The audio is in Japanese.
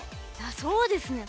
そうですね。